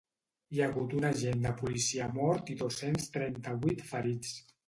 Hi ha hagut un agent de policia mort i dos-cents trenta-vuit ferits.